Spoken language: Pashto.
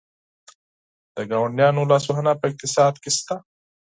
د ګاونډیانو لاسوهنه په اقتصاد کې شته؟